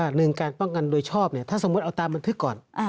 หนึ่งการป้องกันโดยชอบเนี่ยถ้าสมมุติเอาตามบันทึกก่อน